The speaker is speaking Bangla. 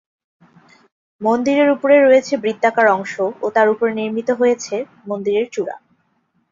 মন্দিরের উপরে রয়েছে বৃত্তাকার অংশ ও তার উপরে নির্মিত হয়েছে মন্দিরের চূরা।